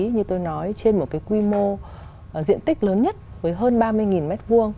như tôi nói trên một cái quy mô diện tích lớn nhất với hơn ba mươi m hai